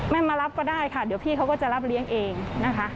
มารับก็ได้ค่ะเดี๋ยวพี่เขาก็จะรับเลี้ยงเองนะคะ